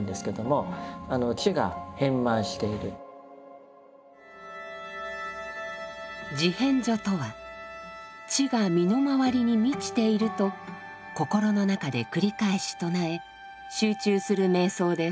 「地遍処」とは地が身の回りに満ちていると心の中で繰り返し唱え集中する瞑想です。